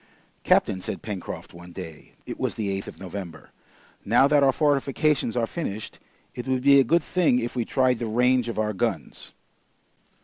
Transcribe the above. "Captain," said Pencroft one day, it was the 8th of November, "now that our fortifications are finished, it would be a good thing if we tried the range of our guns."